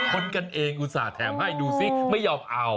คนกันเองอุตส่าห์แถมให้ดูสิไม่ยอมเอา